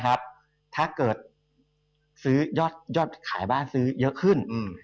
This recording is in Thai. ถ้าเกิดซื้อยอดขายบ้านซื้อเยอะขึ้น